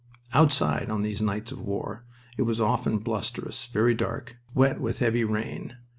Outside, on these nights of war, it was often blusterous, very dark, wet with heavy rain.